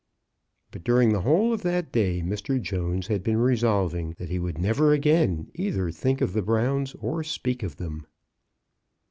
But during the whole of that day Mr. Jones had been resolving that he would never again either think of the Browns or speak of them.